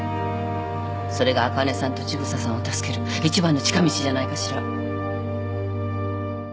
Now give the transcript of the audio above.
それがあかねさんと千草さんを助ける一番の近道じゃないかしら？